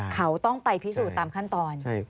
เขาต้องไปพิสูจน์ตามขั้นตอน